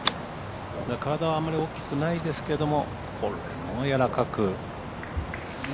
体はあまり大きくないですけれどもこれもやわらかく。